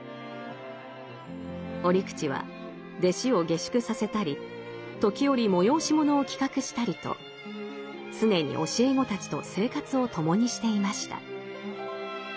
折口は弟子を下宿させたり時折催し物を企画したりと常に教え子たちと生活を共にしていました。